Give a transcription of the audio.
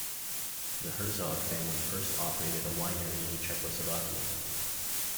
The Herzog family first operated a winery in Czechoslovakia.